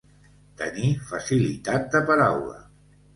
Tenir facilitat de paraula.